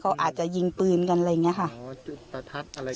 เขาอาจจะยิงปืนกันอะไรอย่างเงี้ยค่ะอ๋อประทัดอะไร